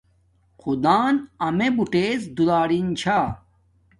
خدݳن امݺ بُٹݵڎ دُرݳلِن چھݳ.